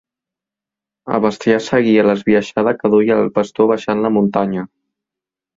El bestiar seguia l'esbiaixada que duia el pastor baixant la muntanya.